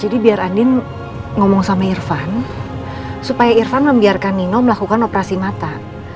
jadi biar andin ngomong sama irfan supaya irfan membiarkan nino melakukan operasi mata